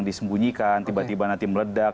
disembunyikan tiba tiba nanti meledak